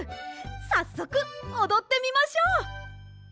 さっそくおどってみましょう。